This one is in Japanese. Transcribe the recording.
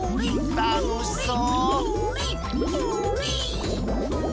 たのしそう！